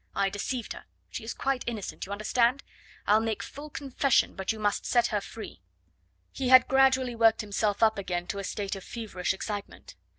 I deceived her; she is quite innocent, you understand? I'll make full confession, but you must set her free." He had gradually worked himself up again to a state of feverish excitement.